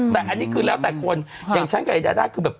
แต่อันนี้คือแล้วแต่คนอย่างฉันกับไอดาด้าคือแบบ